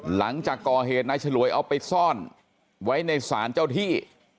หลังจากก่อเหตุนายฉลวยเอาไปซ่อนไว้ในศาลเจ้าที่